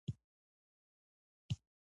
ویې ویل: مریانو د خلافت له دربار اجازه وموندله.